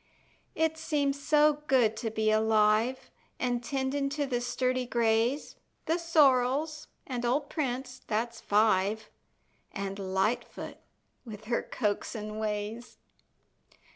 It seems so good to be alive, An' tendin' to the sturdy grays, The sorrels, and old Prince, that's five An' Lightfoot with her coaxing ways.